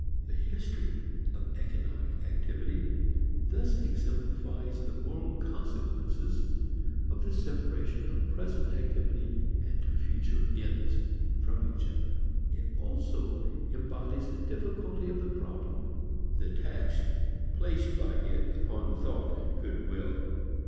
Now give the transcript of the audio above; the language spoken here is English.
The history of economic activity thus exemplifies the moral consequences of the separation of present activity and future "ends" from each other. It also embodies the difficulty of the problem the tax placed by it upon thought and good will.